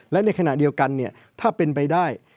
และในขณะเดียวกันถ้าเป็นไปได้